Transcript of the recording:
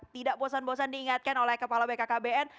tidak bosan bosan diingatkan oleh kepala bkkbn